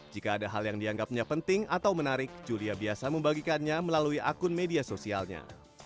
jika ada hal yang dianggapnya penting atau menarik julia biasa membagikannya melalui akun media sosialnya